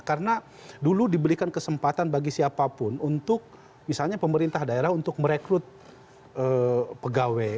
karena dulu dibelikan kesempatan bagi siapapun untuk misalnya pemerintah daerah untuk merekrut pegawai